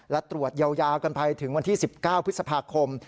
และตรวจยาวกันไปถึงวันที่๑๙พฤษภาคม